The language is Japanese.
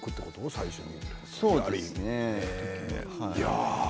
最初に。